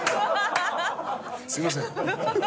すいません。